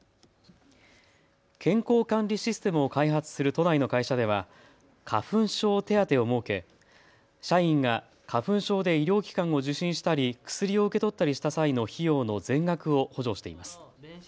健康管理システムを開発する都内の会社では花粉症手当を設け社員が花粉症で医療機関を受診したり薬を受け取ったりした際の費用の全額を補助しています。